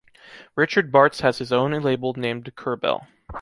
Richard Bartz has his own label named Kurbel.